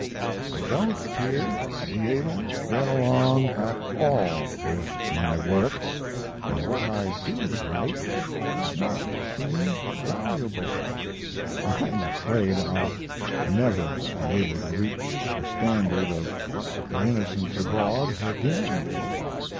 I don't appear to be able to get along at all with my work, and what I do write does not seem valuable. I'm afraid I'll never be able to reach the standard of 'The Innocents Abroad' again.